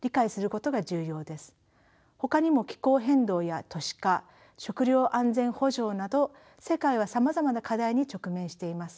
ほかにも気候変動や都市化食糧安全保障など世界はさまざまな課題に直面しています。